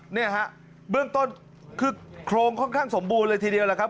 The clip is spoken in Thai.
เนี่ยฮะเบื้องต้นคือโครงค่อนข้างสมบูรณ์เลยทีเดียวแหละครับ